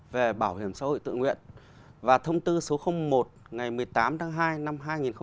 về bảo hiểm xã hội tự nguyện và thông tư số một ngày một mươi tám tháng hai năm hai nghìn một mươi